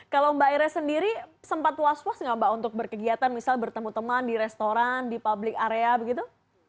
kalau mbak ires sendiri sempat was was nggak mbak untuk berkegiatan misal bertemu teman di restoran di public area begitu